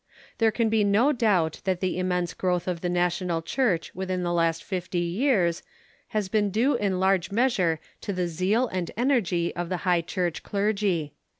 Thei*e can be no doubt that the immense growth of the national Church within the last fifty years has been due in large measure to the zeal and energy of the Iligh Church clergy.